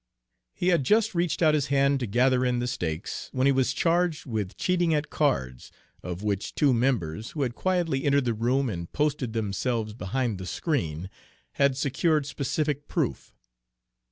He had just reached out his hand to gather in the stakes, when he was charged with cheating at cards, of which two members, who had quietly entered the room and posted themselves behind the screen, had secured specific proof.